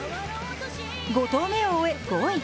５投目を終え、５位。